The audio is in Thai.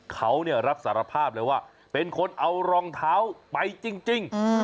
เขารับสารภาพเลยว่าเป็นคนเอารองเท้าไปจริง